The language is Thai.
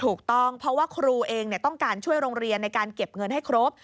ถูกต้องเพราะว่าครูเองต้องการช่วยโรงเรียนในการเก็บเงินให้ครบ